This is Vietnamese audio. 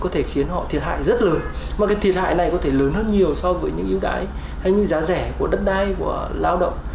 có thể khiến họ thiệt hại rất lớn mà cái thiệt hại này có thể lớn hơn nhiều so với những yêu đãi hay giá rẻ của đất đai của lao động